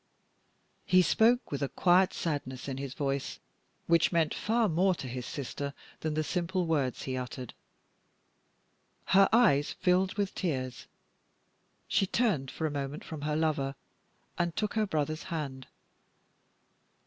He spoke with a quiet sadness in his voice, which meant far more to his sister than the simple words he uttered. Her eyes filled with tears; she turned for a moment from her lover, and took her brother's hand.